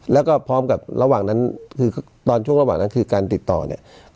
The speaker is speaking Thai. แล้วก็พร้อมกับระหว่างนั้นคือตอนช่วงระหว่างนั้นคือการติดต่อเนี่ย